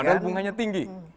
padahal bunganya tinggi